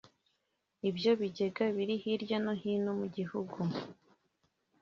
Ibyo bigega biri hirya no hino mu gihugu